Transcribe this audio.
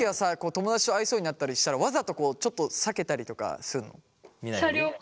友だちと会いそうになったりしたらわざとこうちょっと避けたりとかするの？